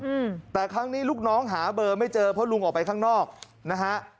อืมแต่ครั้งนี้ลูกน้องหาเบอร์ไม่เจอเพราะลุงออกไปข้างนอกนะฮะ